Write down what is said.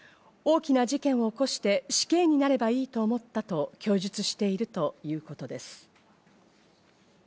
大きな事件を起こして死刑になればいいと思ったと供述しているということです。